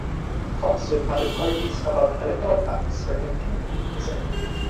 Talks with other parties about electoral pacts were continuing, he said.